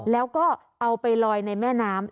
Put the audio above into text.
แล้วก็เอาไปลอยในแม่น้ำ